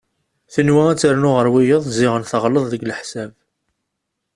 Tenwa ad ternu ɣer wiyaḍ ziɣen teɣleḍ deg leḥsab.